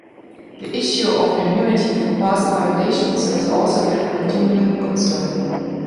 The issue of immunity for past violations has also been a continuing concern.